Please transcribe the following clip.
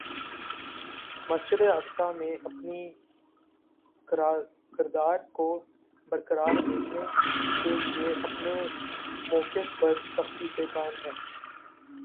مسجد اقصیٰ میں اپنے کردار کو برقرار رکھنے کے لیے اپنے مؤقف پر سختی سے قائم ہے-